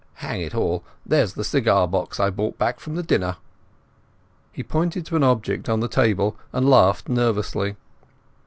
Hang it all, there's the cigar box I brought back from the dinner." He pointed to an object on the table, and laughed nervously.